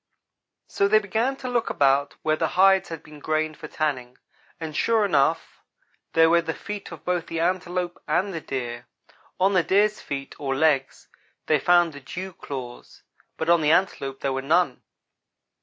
So they began to look about where the hides had been grained for tanning; and sure enough, there were the feet of both the antelope and the deer. On the deer's feet, or legs, they found the dew claws, but on the antelope there were none.